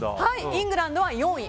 イングランドは４位。